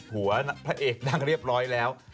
หัวพระเอกดังเรียบร้อยแล้ว